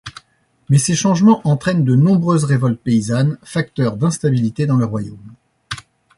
Mais ces changements entraînent de nombreuses révoltes paysannes facteur d'instabilité dans le royaume.